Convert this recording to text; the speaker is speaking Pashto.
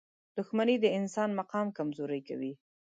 • دښمني د انسان مقام کمزوری کوي.